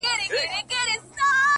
o اوښکي دي پر مځکه درته ناڅي ولي؛